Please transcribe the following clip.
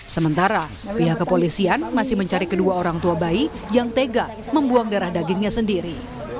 sementara pihak kepolisian masih mencari kedua orang tua bayi yang tega membuang darah dagingnya sendiri